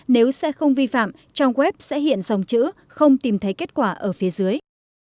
nếu xe không vi phạm trong web sẽ hiện dòng chữ không tìm thấy kết quả ở phía dưới